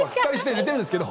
練ってるんですけど。